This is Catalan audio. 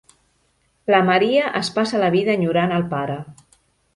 La Maria es passa la vida enyorant el pare.